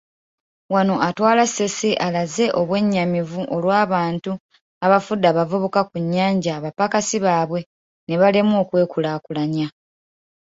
Wano atwala Ssese alaze obwennyamivu olw'abantu abafudde abavubuka ku Nnyanja abapakasi baabwe nebalemwa okwekulaakulanya.